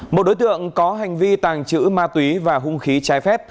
một đối tượng có hành vi tàng trữ ma túy và hung khí trái phép